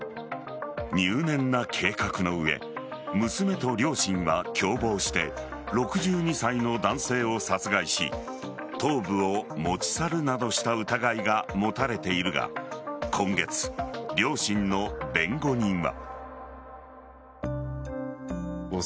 入念な計画の上娘と両親は共謀して６２歳の男性を殺害し頭部を持ち去るなどした疑いが持たれているが今月、両親の弁護人は。